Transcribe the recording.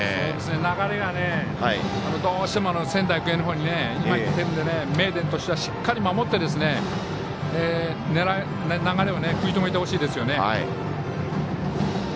流れが、どうしても仙台育英の方に今きてるので名電としては、しっかり守って流れを食い止めてほしいですよね。